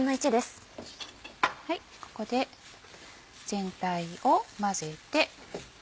ここで全体を混ぜて。